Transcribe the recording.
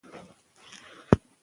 د مور پر ذهني حالت فشار زیاتېږي.